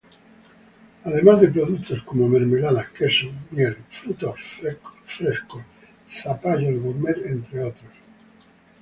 Además de productos como mermeladas, quesos, miel, frutos frescos, zapallos gourmet, entre otros.